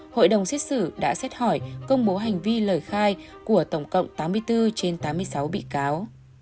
hội đồng xét xử đã xét hỏi công bố hành vi lời khai của tổng cộng tám mươi bốn trên tám mươi sáu bị cáo